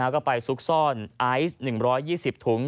ก็ไปซุกซ่อนไอซ์๑๒๐ถุง